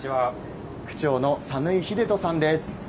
区長の讃井英人さんです。